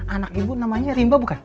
anak ibu namanya rimba bukan